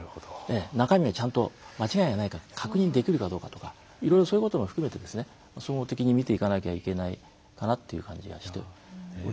中身がちゃんと間違いがないか確認できるかどうかとかいろいろそういうことも含めて総合的に見ていかなきゃいけないかなっていう感じがしておりますね。